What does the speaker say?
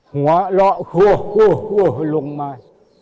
หัวเราะหัวหัวหัวหัวลงมา